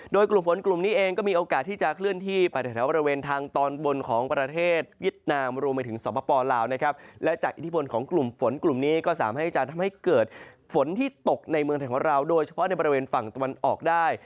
โดยกลุ่มฝนกลุ่มนี้เองก็มีโอกาสที่จะเคลื่อนที่ไปแถวบริเวณทางตอนบนของประเทศเวียดนามรวมไปถึงสปลาวนะครับและจากอิทธิพลของกลุ่มฝนกลุ่มนี้ก็สามารถให้จะทำให้เกิดฝนที่ตกในเมืองไทยของเราโดยเฉพาะในบริเวณฝั่งตะวันออกได้